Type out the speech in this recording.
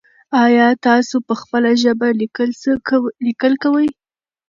ایا تاسو په خپله ژبه لیکل کوئ؟